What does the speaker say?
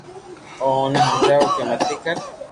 او اوني ھمجاوُ ڪہ متي ڪر